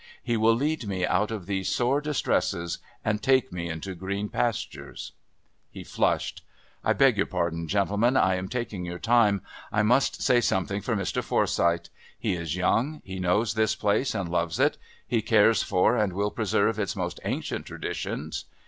He will lead me out of these sore distresses and take me into green pastures " He flushed. "I beg your pardon, gentlemen. I am taking your time. I must say something for Mr. Forsyth. He is young; he knows this place and loves it; he cares for and will preserve its most ancient traditions....